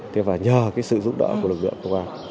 thế và nhờ cái sự giúp đỡ của lực lượng công an